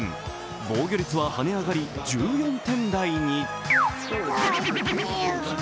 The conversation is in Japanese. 防御率は跳ね上がり１４点台に。